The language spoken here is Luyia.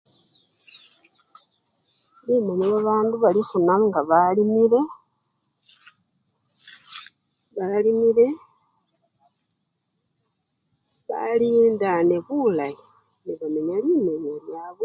Limenya bandu balifuna nga balimile, balimile! balindane bulayi, nebamenya limenya lyabwe.